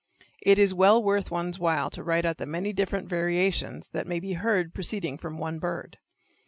It is well worth one's while to write out the many different variations that may be heard proceeding from one bird.